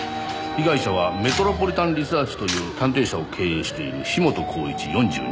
被害者はメトロポリタン・リサーチという探偵社を経営している樋本晃一４２歳。